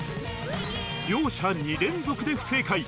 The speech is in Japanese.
両者２連続で不正解